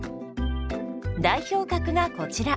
代表格がこちら。